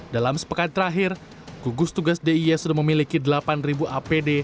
dalam sepekan terakhir gugus tugas d i e sudah memiliki delapan apd